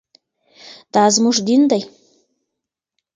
دا زموږ دین دی.